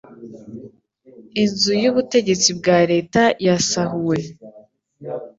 Inzu yubutegetsi bwa leta yasahuwe.